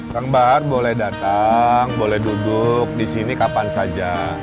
kang bar boleh datang boleh duduk di sini kapan saja